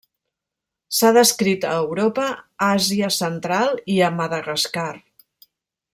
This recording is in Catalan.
S'ha descrit a Europa, Àsia central i a Madagascar.